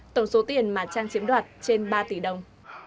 tổng số tiền mà trang chiếm đoạt trên ba tỷ đồng